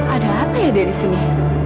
ada apa ya dari sini